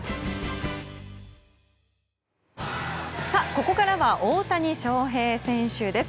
ここからは大谷翔平選手です。